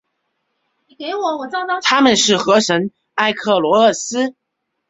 她们是河神埃克罗厄斯。